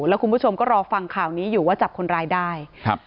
แล้วคุณผู้ชมก็รอฟังข่าวนี้อยู่ว่าจับคนร้ายได้ครับ